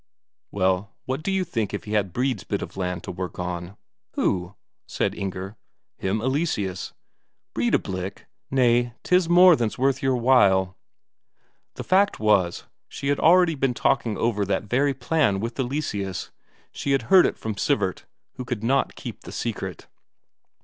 "Well, what do you think, if he had Brede's bit of land to work on?" "Who?" said Inger. "Him Eleseus." "Breidablik? Nay, 'tis more than's worth your while." The fact was, she had already been talking over that very plan with Eleseus, she had heard it from Sivert, who could not keep the secret.